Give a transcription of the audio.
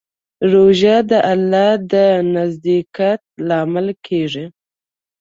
روژه د الله د نزدېکت لامل کېږي.